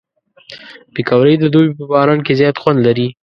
پکورې د دوبي په باران کې زیات خوند لري